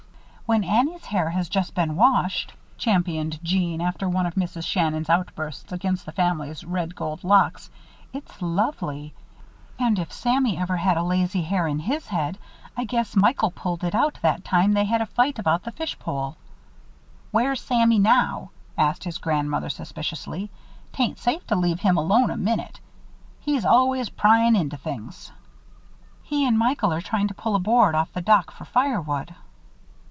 "When Annie's hair has just been washed," championed Jeanne, after one of Mrs. Shannon's outbursts against the family's red gold locks, "it's lovely. And if Sammy ever had a lazy hair in his head, I guess Michael pulled it out that time they had a fight about the fish pole." "Where's Sammy now?" asked his grandmother, suspiciously. "'Tain't safe to leave him alone a minute. He's always pryin' into things." "He and Michael are trying to pull a board off the dock for firewood."